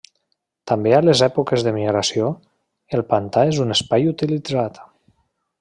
També a les èpoques de migració, el pantà és un espai utilitzat.